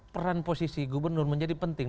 peran posisi gubernur menjadi penting